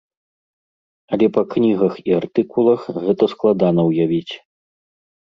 Але па кнігах і артыкулах гэта складана ўявіць.